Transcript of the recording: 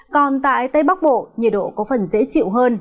còn tại tây bắc bộ nhiệt độ có phần dễ chịu hơn